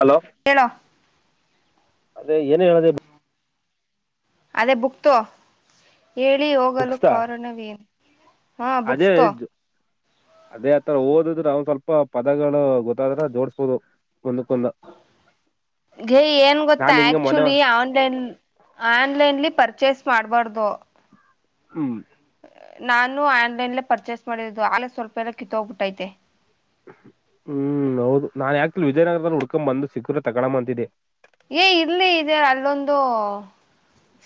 Hello ಹೇಳೋ ಅದೇ ಏನ್ ಹೇಳದೆ ಅದೇ ಬುಕ್ತು ಹೇಳಿ ಹೋಗಲು ಬುಕ್ಸ್ತಾ ಕಾರಣವೇನು ಹಾ ಅದೇ ಬುಕ್ಸ್ತೋ ಅದೇ ಆತರ ಓದಿದ್ರೆ ಅವ ಸ್ವಲ್ಪ ಪದಗಳು ಗೊತ್ತಾದ್ರ ಜೋಡ್ಸ್ಬೋದು ಒಂದಕ್ಕೊಂದು ಗೆ ಏನ್ ಗೊತ್ತಾ ನಾನ್ ಹಿಂಗ ಮೊನೆ ಆಕ್ಚುಲಿ ಆನ್ಲೈನ್ ಆನ್ಲೈನ್ಲಿ ಪರ್ಚೇಸ್ ಮಾಡ್ಬಾರ್ದು ಹ್ಮ್ [unintelligible] ನಾನು ಆನ್ಲೈನ್ಲ್ಲೇ ಪರ್ಚೇಸ್ ಮಾಡಿದ್ದು ಆಲ ಸ್ವಲ್ಪ ಎಲ್ಲ ಕಿತ್ತೋಗ್ಬಿಟ್ಟೈತೆ ಹ್ಮ್ ಹೌದು ನಾನ್ ಯಾಕತಿ ವಿಜಯನಗರದಲ್ಲಿ ಉುಡ್ಕೊ ಬಂದು ಸಿಕ್ಕೂರ ತಗಳ ಅಂತಿದ್ದೆ ಏ ಇಲ್ಲಿ ಇದೆ ಅಲ್ಲೊಂದು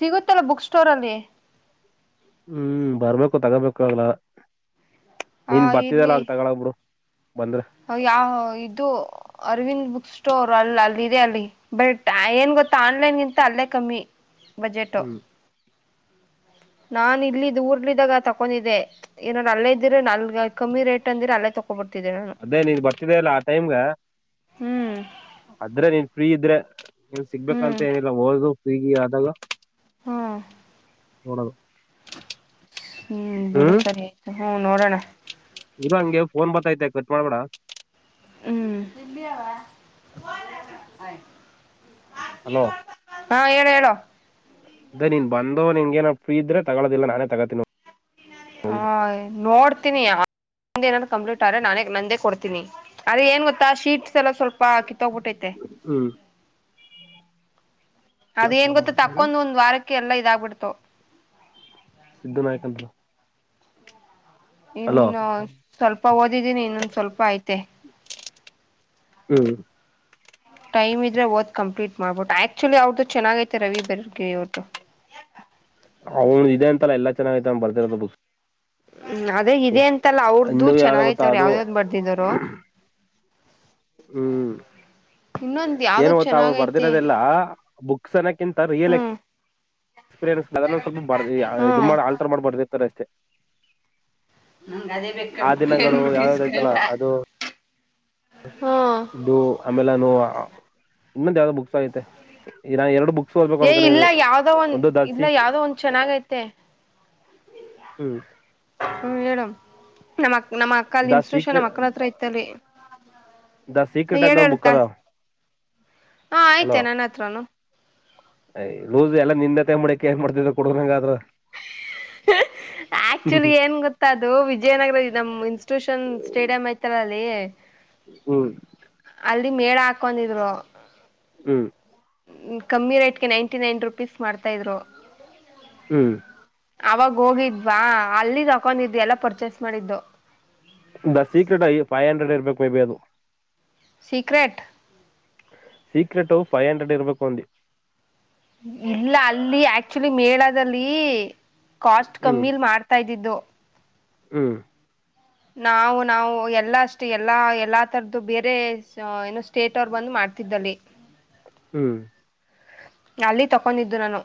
ಸಿಗುತ್ತಲ್ಲ ಬುಕ್ ಸ್ಟೋರ್ ಅಲ್ಲಿ ಹ್ಮ್ ಬರ್ಬೇಕು ತಗೋಬೇಕು ನೀನು ಬರುತ್ತಿದೆಯಲ್ಲ ಆಗ ತೆಗಣ ಬಿಡು ಯಾ ಇದು ಅರವಿಂದ್ ಬುಕ್ ಸ್ಟೋರ್ ಅ ಅಲ್ಲಿ ಇದೆ ಅಲ್ಲಿ ಬಟ್ ಏನ್ ಗೊತ್ತಾ ಆನ್ಲೈನ್ಗಿಂತ ಅಲ್ಲೇ ಕಮ್ಮಿ ಬಜೆಟು ಹ್ಮ್ ನಾನ್ ಇಲ್ಲಿ ಇದ ಊರ್ಲಿದಾಗ ತಕೊಂಡಿದ್ದೆ ಏನೋ ನಲ್ಲೇ ಇದ್ರೆ ನಲ್ ಕಮ್ಮಿ ರೇಟ್ ಅಂದಿರೆ ಅಲ್ಲೇ ತಕೊಬರ್ತಿದ್ದೆ ನಾನು ಅದೇ ನೀನ್ ಬರ್ತಿದ್ದ ಅಲ್ಲ ಆ ಟೈಮ್ಗ ಹ್ಮ್ ಅದ್ರೆ ನೀನ್ ಫ್ರೀ ಇದ್ರೆ [inaudible] ನೀನ್ ಹ್ಮ್ ಸಿಗ್ಬೇಕಂತ ಏನಿಲ್ಲ ಓದು [unintelligible] ಹ್ಮ್ ನೋಡದು ಹ್ಮ್ ಬಿಡು ಸರಿ ಆಯ್ತು ಹೂ ನೋಡೋಣ ಇರು ಹಂಗೆ ಫೋನ್ ಬತ್ತೈತೆ ಕಟ್ ಮಾಡ್ಬೇಡ ಹ್ಮ್ ಹಲೋ ಹಾ ಹೇಳ್ ಹೇಳು ಅದೇ ನೀನ್ ಬಂದು ನಿನ್ ಫ್ರೀ ಇದ್ರೆ ತಗೋದಿಲ್ಲ ನಾನೇ ತಗೋತೀನ ಹಾ ನೋಡ್ ಕೊತನಿ ಕಂಪ್ಲೀಟ್ ಆದ್ರೆ ನಾನೇ ನಂದೇ ಕೊಡ್ತೀನಿ ಅದೇ ಏನ್ ಗೊತ್ತಾ ಶೀಟ್ಸ್ ಎಲ್ಲ ಸ್ವಲ್ಪ ಕಿತ್ತೋಗ್ಬಿಟ್ಟೈತೆ ಹ್ಮ್ ಅದೇಏನ್ ಫೋನ್ ಗೊತ್ತ ಮಾಡ್ತಾರೆ ತಕ್ಕೊಂಡ್ ಒಂದ್ ವಾರಕ್ಕೆ ಎಲ್ಲ ಇದಾಗಬಿಡ್ತು ಸಿದ್ದನಾಯಕ್ ಅಂತ ಅಲೋ ಇನ್ನು ಸ್ವಲ್ಪ ಓದಿದ್ದೀನಿ ಇನ್ನೊಂದ್ ಸ್ವಲ್ಪ ಆಯ್ತು [inaudible] [unintelligible] ಟೈಮ್ ಇದ್ರೆ ಓದ್ ಕಂಪ್ಲೇಟ್ ಮಾಡ್ಬಿಟ್ಟು ಆಕ್ಚುಲಿ ಅವರ್ದು ಚೆನ್ನಾಗಿದ್ದೀರಾ ರವಿ ಬೆಳಗೆ ಅವರ್ದು ಹೌದು ಇದೆ ಅಂತ ಅಲ್ಲ ಎಲ್ಲಾ ಚೆನ್ನಾಗಿ ಬರೆದಿರುವುದು ಬುಕ್ಸ್ [inaudible] ಹ್ಮ್‌ ಅದೇ ಇದೆ ಅಂತಲ್ಲ ಅವರದು ಇನ್ನು ಯಾವ್ದ ಗೊತ್ತಾ ಚೆನ್ನಾಗಿರುತ್ತೆ ಅದು ಯಾವ ಯಾವ ಬರ್ತಿದ್ದಾರೋ ಹ್ಮ್ ಇನ್ನೊಂದ್ ಯಾವ್ದೋ ಏನು ಗೊತ್ತಾ ಅವರು ಚೆನ್ನಾಗೈತೆ ಬರೆದಿರೋದ್ದೆಲ್ಲ ಬುಕ್ ಸೆಲೆಕ್ಟ್ ಅಂತ ರಿಯಲ್ ಹ್ಮ್ ಅದನ್ನು ಸ್ವಲ್ಪ ಬಾರ್ಡ್ಡಿಯ ಇದು ಹ್ಮ್ ಅನ್ಸಾರ್ ಮಾಡಬಹುದು ಅಷ್ಟೇ ನಂಗ್ ಅದೇ ಬೇಕ್ ಆ ಕಣ್ರೀ ದಿನಗಳು ಅನ್ಬಿಟ್ಟು ಯಾವ ಯಾವ ಐತಲ ಇಸ್ಕಂಡ ಇದು ಹ್ಮ್ ಇನ್ನೊಂದು ಆಗಲಿ ಇನ್ನು ಎರಡು ಬುಕ್ಸ್ ಓದಬೇಕು ಏ ಇಲ್ಲ ಅನ್ಕೊಂಡಿದ್ದೀನಿ ಯಾವ್ದೋ ಒಂದ್ ಇಲ್ಲ ಯಾವ್ದೋ ಒಂದ್ ಚೆನ್ನಾಗೈತೆ ಹ್ಮ ಮೇಡಂ ನಾಮ್ ಅಕ್ಕ ನಮ್ಮಕ್ಕ ದ ಸ್ಟೇಷನ್ ಸೀಕ್ರೆಟ್ ನಮ್ಮಕ್ಕನ ಹತ್ರ ಇದ್ದಿ ದ ಸೀಕ್ರೆಟ್ ಅಂತ ಒಂದ್ ಬುಕ್ ಏನಂತೆ ಅದಾವ ಹ ಐತಿ ನನ್ನತ್ರನೂ ಎ ಲೂಸು ಯಲ್ಲಾ ನಿಂದಂತೆ [inaudible] ಆಕ್ಚುಲಿ ಏನ್ ಗೊತ್ತಾ ಅದು ವಿಜಯ್ನಗರ ನಾಮ್ ಸ್ಟೇಷನ್ ಸ್ಟೇಡಿಯಂ ಐತಲ ಲ್ಲೆ ಹ್ಮ್ ಅಲಿ ನೇಣು ಹಾಕೊಂಡಿದ್ರು ಹ್ಮ್ ಕಮ್ಮಿ ರೇಟ್ ನಂಟಿನೈ ರುಪೀಸ್ರುಪೀಸ್ ಮಾಡ್ತಾ ಇದ್ರು ಇದ್ರು ಹ್ಮ್ ಯಾವಾಗ ಹೋಗಿದ್ವ ಅಲ್ಲಿ ಅಲ್ಲಿ ತಗೊಂಡಿದ್ದು ಯಲ್ಲಾ ಪರ್ಚೇಸ್ ಮಾಡ್ಕೊಂಡಿದ್ದೆ [inaudible] ಸೀಕ್ರೆಟ್ ಸೀಕ್ರೆಟ್ ಫೈವ್ ಹಂಡ್ರೆಡ್ ಇರ್ಬೇಕು ಅಂದೆ ಇಲ್ಲ ಅಲ್ಲಿ ಆಕ್ಚುಲಿ ಮೇಳದಲ್ಲಿ ಕಾಸ್ಟ್ ಹ್ಮ್ ಕಮ್ಮಿ ಮಾಡ್ತಾ ಇದ್ದಿದ್ದು ಹ್ಮ್ ನಾವು ನಾವು ಎಲ್ಲ ಎಲ್ಲಾಷ್ಟು ಬೇರೆ ಸ್ಟೇಟಸ್ವರು ಬಂದು ಮಾಡುತ್ತಿದ್ದೇವೆ ಅಲ್ಲಿ ಹ್ ಅಲ್ಲಿ ತಗೊಂಡಿದ್ದು ನಾನು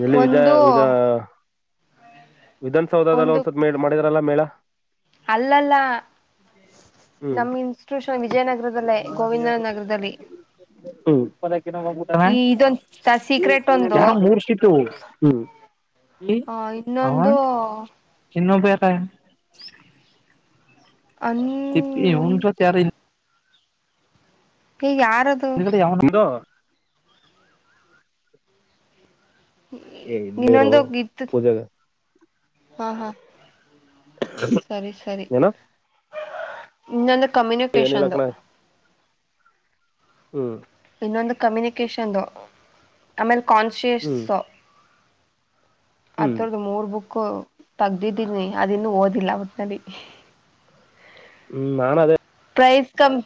ಯಲ್ಲಿ ಇದಾ ಒಂದು ವಿಧಾನಸೌಧದಲ್ಲಿ ಒಂದು ಸ್ವಲ್ಪ ಮೇಳ ಅಲ್ಲಲ್ಲ ನಮ್ಮ ಇನ್ಸ್ಟಿಟ್ಯೂಷನ್ ಹ್ಮ್ ವಿಜಯನಗರದಲ್ಲೇ ಗೋವಿಂದನಗರದಲ್ಲಿ ಈ ಇದೊಂದು ಹ್ಮ್ ಸೀಕ್ರೆಟ್ ಒಂದು ಆ ಹ್ಮ್ ಇನ್ನೊಂದು ಇನ್ನೊಬ್ಬ ಯಾರು [unintelligible] ಅನ್ [unintelligible] [inaudible] ಇದು [unintelligible] [inaudible] ಹ ಹ ಸರಿ ಸರಿ ಏನ [unintelligible] ಏನಿಲ್ಲ ಕಮ್ಯುನಿಕೇಶನ್ದು ಕಣ [unintelligible] ಇನ್ನೊಂದು ಕಮ್ಯುನಿಕೇಶನ್ದು ಆಮೇಲೆ ಕಾನ್ಶಿಯಸ್ ಹ್ಮ್ ಹ್ಮ್ ಅದರದು ಮೂರು ಬುಕ್ ತೆಗೆದಿದ್ದೇನೆ ಅದನ್ನು ಇನ್ನ ಓದಿಲ್ಲ ನಾನು ಅದೇ ಪ್ರೈಸ್ ಕಮ್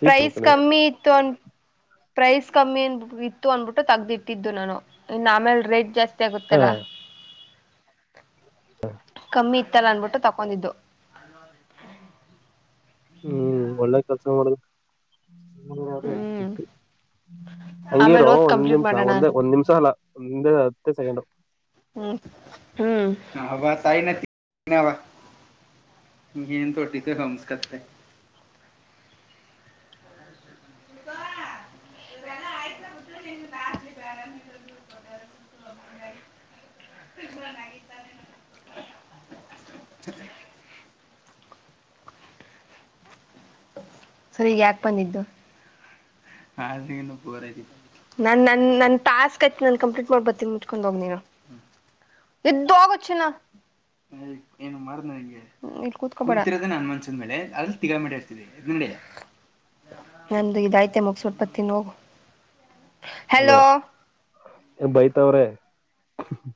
ಸೀಕ್ ಪ್ರೈಸ್ ಅನ್ಕೊಂಡಿದ್ದೆ ಕಮ್ ಇತ್ತು ಪ್ರೈಸ್ ಕಮ್ಮಿ ಇತ್ತು ಅಂದು ಬಿಟ್ಟು ತೆಗೆದಿಟ್ಟಿದ್ದು ನಾನು ಆಮೇಲೆ ರೆಡ್ ಜಾಸ್ತಿ ಆದ್ರೆ ಹ ಗೊತ್ತಲ್ಲ [inaudible] [unintelligible] ತಗನ್ ಬಿಟ್ಟಿದ್ದು ಒಳ್ಳೆ ಕೆಲಸ ಮಾಡಿದೆ ಹ್ಮ್ ಹಂಗೆ ಆಮೇಲೆ ಇರುವ ಓದ್ ಒಂದು ಕಂಪ್ಲೀಟ್ ನಿಮಿಷ ಮಾಡೋಣ ಒಂದು ಅನ್ಬಿಟ್ಟು ನಿಮಿಷ ಅಲ್ಲ ಹತ್ಯೆ ಸೆಕೆಂಡು ಹ್ಮ್ [unintelligible] [unintelligible] [unintelligible] [unintelligible] ಸರಿ ಈಗ ಯಾಕ್ ಬಂದಿದ್ದು ನನ್ನನ್ನ ಟಾಸ್ ಕಂಪ್ಲೇಂಟ್ ಮಾಡಿಕೊಂಡು ಬರ್ತೀನಿ ಎದ್ದೋಗೋ ಚಿನ್ನ ಇಲ್ಲಿ ಕೂತ್ಕೋ ಬೇಡ ಕುಂತ್ಕೊಂತಿರೋದೆ ನನ್ ಮಂಚದ ಮೇಲೆ ನಂದು ಇದಾಯಿತು ಸ್ವಲ್ಪ ಹೊತ್ತು ಇನ್ನೂ ಹೋಗು ಹಲೋ [unintelligible]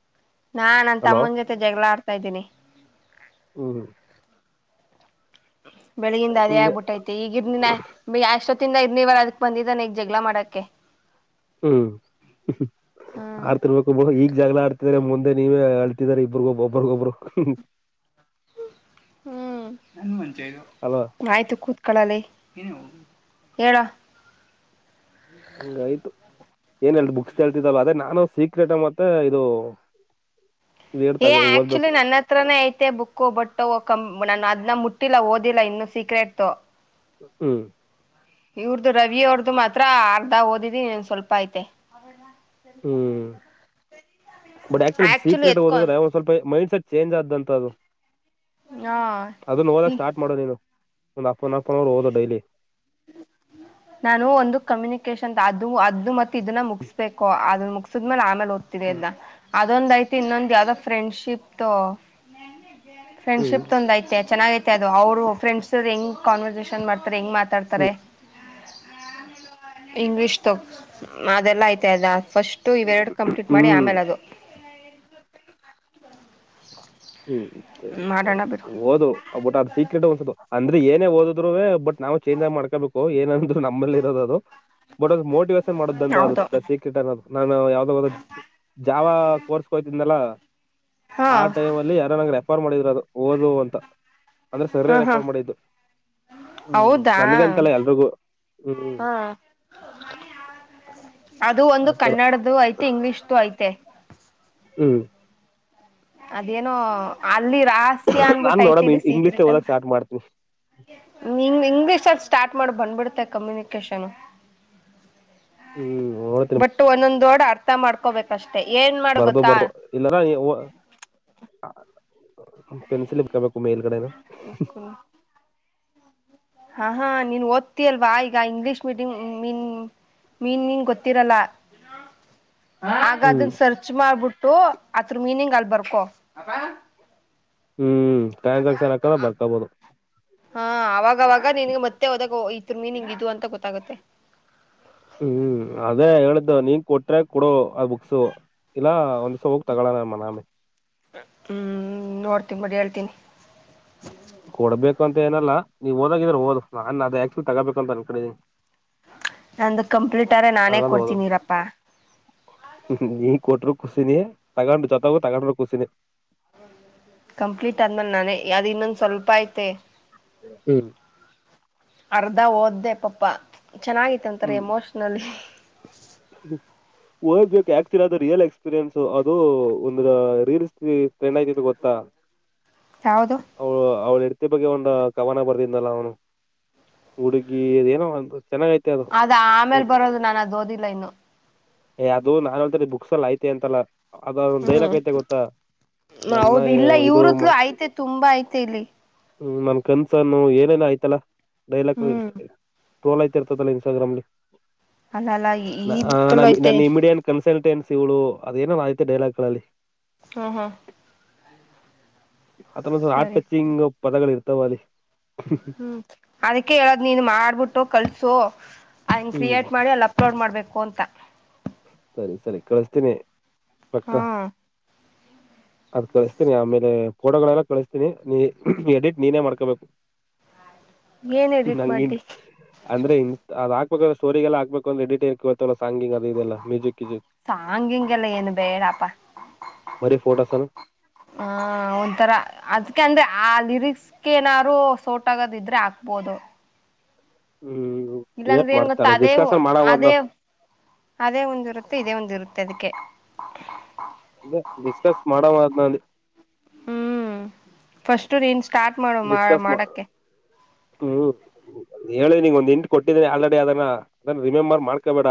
ನಾನ ನನ್ನ ತಮ್ಮನ ಜೊತೆ ಜಗಳ ಆಡುತ್ತಿದ್ [unintelligible] [unintelligible] ಬೆಳಗ್ಗೆಯಿಂದ ಹಂಗೆ ಅದ್ಯಾಗ್ಬಿಟ್ಟಿದೆ [inaudible] ಎದಕ್ಕೆ ಬಂದಿದ್ದಾನೆ ಜಗಳ ಮಾಡಕ್ಕೆ ಹು ಹ್ಮ್ ಆಡುತ್ತಿರಬೇಕು ಈಗ ಜಗಳ ಮುಂದೆ ನೀವು ಹೇಳುತ್ತಿದ್ದಾರೆ ಒಬ್ಬರಿಗೊಬ್ರು ಹ್ಮ್ ಆಯ್ತು ಕುತ್ಕೊಳ್ಳಲೆ ಹೇಳೋ ನಂದ ಆಯ್ತು ಏನದು ಬುಕ್ಸ್ ಕೇಳುತ್ತಿದ್ದಲ್ಲ ಅದೇ ನಾನು ಸೀಕ್ರೆಟ್ ಮತ್ತೆ ಇದೊ ಏ! ಆಕ್ಚುಲಿ ನನ್ನತ್ರನೇ ಐತೆ ಬುಕ್ಕು ಭಟ್ಟ ನನ್ನ ಅದ್ನ ಮುಟ್ಟಿಲ್ಲ ಮುಟ್ಟಿಲ್ಲ ಇನ್ನು ಓದಿಲ್ಲ ಸೀಕ್ರೆಟು ಹ್ಮ್ ಇವ್ರುದು ರವಿ ಅವರದು ಮಾತ್ರ ಅರ್ಧ ಓದಿದ್ದೇನೆ ಇನ್ನು ಸ್ವಲ್ಪ ಐತೆ ಹ್ಮ್ ಬಟ್ ಆಕ್ಚುಲಿ ಅದ ಸೀಕ್ರೆಟ್ ಓದಿದರೆ ಒಂದ್ ಸ್ವಲ್ಪ ಮೈಂಡ್ ಸೆಟ್ ಚೇಂಜ್ ಆದಂತದು ಹಾ ಅದನ್ನ ಓದೋಕೆ ಸ್ಟಾರ್ಟ್ ಮಾಡು ನೀನು ಒನ್ ಆಫ್ ಆನ್ ಅವರ್ ಓದು ಡೈಲಿ ನಾನು ಒಂದು ಕಮ್ಯುನಿಕೇಷನ್ ಅದು ಮತ್ತು ಇದನ್ನ ಮುಗಿಸಬೇಕು ಅದನ್ನು ಮುಗಿಸಿದ ಮೇಲೆ ಆಮೇಲೆ ಓದ್ತೀನಿ ಹ್ಮ್ ಇದನ್ನ ಅದೊಂದೇ ಐತೆ ಇನ್ನೊಂದು ಯಾವುದು ಫ್ರೆಂಡ್ಶಿಪ್ ದು ಫ್ರೆಂಡ್ ಶಿಪ್ ದು ಹ್ಮ್ ಒಂದು ಅಯ್ತೆ ಚೆನ್ನಾಗಿ ಅವರು ಫ್ರೆಂಡ್ಸ್ ಅವರು ಎಂಗ್ ಕನ್ವರ್ಸೇಷನ್ ಮಾಡ್ತಾರೆ ಹೆಂಗ್ ಮಾಡ್ತಾರೆ ತರೆ ಇಂಗ್ಲಿಷ್ ದು ಅದೆಲ್ಲಾ ಐತೆ ಅದಾ ದ್ ಫಸ್ಟ್ ಇವೆರಡು ಕಂಪ್ಲೀಟ್ ಮಾಡಿ ಹ್ಮ್ ಆಮೇಲೆ ಅದು ಹ್ಮ್ ಸರಿ ಸರಿ ಮಾಡೋಣ ಬಿಡು ಓದು, ಬಟ್ ಅದು ಸೀಕ್ರೆಟಾಗ್ ಒಂದ್ ಸತಿ ಅಂದ್ರೆ ಏನೇ ಓದಿದರೂವೇ ಬಟ್ ನಾವೇ ಚೇಂಜ್ ಮಾಡ್ಕೋಬೇಕು ಏನಂದ್ರು ನಮ್ಮಲ್ಲೇ ಇರೋದು ಅದು ಬಟ್ ಅದು ಮೋಟ ಮೋಟಿವೇಶನ್ ಹೌದು ಮಾಡುವಂತದ್ದು ಸೀಕ್ರೆಟ್ ಏನಾದ್ರು ನಾನು ಯಾವುದು ಅದು ಜಾವಾ ಕೋರ್ಸ್ ಹೊಯ್ತಿದ್ನಲ್ವಾ [inaudible] ಹಾ ಯಾರೋ ನನ್ ರೆಫರ್ ಮಾಡಿದ್ರು ಓದು ಅಂತ ಅಂದ್ರೆ ಸರ್ರೆ ಹಾಹಾ! ರೆಫರ್ ಮಾಡಿದ್ದು ಹೌದಾ, ನನ್ಗಂತಲ್ಲ ಎಲ್ರಿಗೂ ಹ್ಮ್ ಹಾ ಅದು ಒಂದು ಆತರ ಕನ್ನಡದೋ ಐತೆ ಇಂಗ್ಲಿಷ್ದು ಐತೆ ಹ್ಮ್ ಅದೇನೋ ಹಾಲ್ ಕುಹೂ! ನಾನು ನೋಡಮ್ ಇಂಗ್ಲಿಷೇ ಓದಕ್ ಸ್ಟಾರ್ಟ್ ಮಾಡ್ತೀನಿ ನೀನು ಇಂಗ್ಲಿಷಾದ್ರು ಸ್ಟಾರ್ಟ್ ಮಾಡು ಬಂದ್ಬಿಡುತ್ತದೆ ಕಮ್ಯುನಿಕೇಷನ್ ಹ್ಮ್ ನೋಡ್ತೀನಿ ಬಟ ಒಂದೊಂದು ಅರ್ಥ ಮಾಡ್ಕೋಬೇಕು ಬರದು ಬರದು [inaudible] ಪೆನ್ಸಿಲ್ ಇಟ್ಕೋಬೇಕು ಮೇಲ್ಗಡೆನ [unintelligible] ಆಹಾ ನೀವು ಒತ್ತಿಯಲ್ಲ--ಇಂಗ್ಲಿಷ್ ಮೀನಿಂಗ್ ಗೊತ್ತಿಲ್ಲ ಆಗ ಹ್ಮ್ ಅದನ್ನು ಸರ್ಚ್ ಮಾಡೋದು ಅದರ ಮೀನಿಂಗ್ ಅಲ್ಲಿ ಬರ್ಕೋ ಅಪ್ಪ ಟ್ರಾನ್ಸಾಕ್ಷನ್ ಅವಾಗವಾಗ ಇದರ ಮೀನಿಂಗ್ ಇದು ಅಂತ ಗೊತ್ತಾಗುತ್ತೆ ಅದಾ ಹೇಳಿದ್ದು ಕೊಟ್ರೆ ಕೊಡು ಆ ಬುಕ್ಸ್ ಇಲ್ಲ ತಗೊಳೋಣ ಆಮೇಲೆ ನೋಡ್ತೀನಿ ಬಿಡಿ ಹೇಳ್ತೀನಿ ಕೊಡಬೇಕಂತೆನಿಲ್ಲ ನೀನು ಹೋದಂಗ್ ಇದ್ರೆ ಓದು ನಾನದನ್ನ ತಗೊಂಡ್ ಬೇಕಂತ ಅಂದುಕೊಂಡಿದ್ದೇನೆ ನಂದು ಕಂಪ್ಲೀಟ್ ಆದರೆ ನಾನೇ ತಗೊಂಡ್ ಕೊಡ್ತೀನಿ ಓದದು ಇರಪ್ಪ ಖುಷಿನೇ--ತಗೊಂಡಿಲ್ಲ ಅಂದ್ರು ಖುಷಿನೇ ಕಂಪ್ಲೀಟ್ ಆದ್ಮೇಲೆ ಒಂದ್ ಸ್ವಲ್ಪ ಐತೆ ಹೂ ಅರ್ಧ ಒದೆ ಪಪ್ಪಾ ಚೆನ್ನಾಗಿತ್ತಂತೆ ಹ್ಮ್ ಎಮೋಷನಲ್ [unintelligible] ಅದು ಒಂದು ರಿಲ್ಸ್ ಟ್ರೆಂಡ್ ಆಗಿದೆ ಗೊತ್ತಾ [unintelligible] ಯಾವುದು ಇದರ ಜೊತೆ ಒಂದು ಕವನ ಬರೆದಿಲ್ಲ ಅವನು ಹುಡುಗಿ ಚೆನ್ನಾಗೈತೆ ಅದು ಆಮೇಲೆ ಅದು ಬರೋದು ಇನ್ನೂ ಓದಿಲ್ಲ ನಾನು ಏ ಅದು--ಬುಕ್ಸಲ್ಲಿದೆ ಅಂತಲ್ಲ ಅದ ಒಂದ್ ತುಂಬಾ ಡೈಲಾಗ್ ಐತೆ ಗೊತ್ತಾ ನನ್ನ ಇದು ಹ್ಮ್ ಆಯ್ತೆ ಇಲ್ಲಿ ನನ್ ಕನಸಲ್ಲೂ ಏನೇ ಏನಾಯ್ತಲ್ಲ ಡೈಲಾಗ್ ಹ್ಮ್ ಟ್ರೋಲ್ ಆಯ್ತಲ್ಲ ಅದು ಇನ್ಸ್ಟಾಗ್ರಾಮ್ ಅಲ್ಲಿ ಅಲ್ಲಲ್ಲ ಈ ಬುಕ್ [unintelligible] ಅದೇನು ಆಯ್ತು ಡೈಲಾಗ್ಗಳಲ್ಲಿ ಆಹಾ ಸರಿ ಸರಿ [unintelligible] ತವಲಿ ಅದಕ್ಕೆ ಹೇಳೋದು ನೀನು ಮಾಡ್ಬಿಟ್ಟು ಕಲಿಸು ಅಲ್ಲಿ ಹ್ಮ್ ಕ್ರಿಯೇಟ್ ಮಾಡಿ ಅಪ್ಲೋಡ್ ಮಾಡಬೇಕು ಕೊಂತ ಸರಿ ಸರಿ ಕಳಿಸುತ್ತೇನೆ ಹಾಹಾ ಅದು ಕಳಿಸ್ತೀನಿ ಆಮೇಲೆ--ಎಡಿಟ್ ನೀನೇ ಮಾಡ್ಕೋಬೇಕು ಏನ್ ಎಡಿಟ್ ಮಾಡಿದ್ದಿ ಅಂದ್ರೆ--ಅದು ಹಾಕು ಬೇಕು ಸ್ಟೋರಿಗೆಲ್ಲ ಡೀಟೇಲ್ ಕೇಳುತ್ತೆ ಸಾಂಗ್ ಇನ್ನೆಲ್ಲ [unintelligible] ಸಾಂಗ್ ಇನ್ ಎಲ್ಲ ಏನು ಬರೀ ಫೋಟೋಸನ ಬೇಡಪ್ಪ--ಅದಕ್ಕೆ ಅಂದೆ ಆ ಲಿರಿಕ್ಸ್ ಗೆ ಏನಾದರೂ ಸೂಟ್ ಹಾಗಿದ್ದರೆ ಹಾಕಬಹುದು ಹ್ಮ್ ಏಟ್ ಇಲ್ಲಾಂದ್ರೆ ಏನು ಗೊತ್ತಾ ಮಾಡ್ತಾಳೆ ಡಿಸ್ಕಸ್ ಮಾಡಮದ್ನ ಅದೇ, ಅದೇ ಒಂದು ಇರುತ್ತೆ ಇದೆ ಒಂದು ಇರುತ್ತೆ ಅದಕ್ಕೆ ಡಿಸ್ಕಸ್ ಮಾಡೋಣ ಫಸ್ಟ್ ನೀನು ಸ್ಟಾರ್ಟ್ ಮಾಡು ಮಾಡೋಕೆ ಹೇಳೋ ಒಂದು ಹಿಂಟ್ ಕೊಟ್ಟಿದ್ದೇನೆ ಆಲ್ರೆಡಿ ಈಗ [inaudible] ಮಾಡ್ಕೋಬೇಡ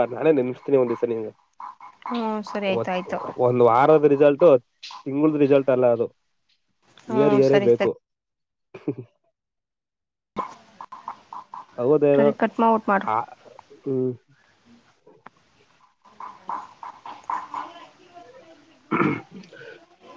ಹ್ಮ್ ಸರಿ ಆಯ್ತು ಆಯ್ತು ಒಂದು ವಾರದ ರಿಸಲ್ಟ್ ಒಂದು ತಿಂಗಳ [unintelligible] ಇಯರ್ ಹ್ಮ್ ಇಯರ್ ಸರಿ ಬೇಕು ಸರಿ [unintelligible] ಹೌದೇನೋ ಸರಿ ಕಟ್ ಮಾಡ್ಬಿಟ್ಟು ಮಾಡು [unintelligible] [unintelligible]